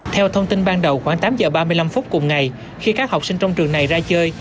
theo thông tin ban đầu khoảng tám giờ ba mươi năm phút cùng ngày khi các học sinh trong trường này ra chơi